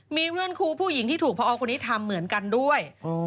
มีเพื่อนครูผู้หญิงที่ถูกพอคนนี้ทำเหมือนกันด้วย